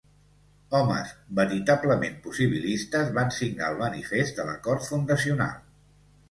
Homes veritablement possibilistes van signar el manifest de l'acord fundacional.